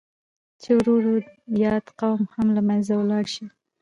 چې ورو ورو ياد قوم هم لمنځه ولاړ شي.